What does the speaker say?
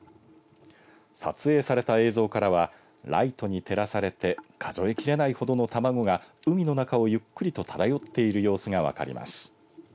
撮影された映像からはライトに照らされて数え切れないほどの卵が海の中をゆっくりと漂っている様子が分かります。